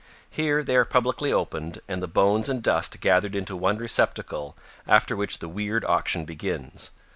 Here they are publicly opened and the bones and dust gathered into one receptacle after which the weird auction begins.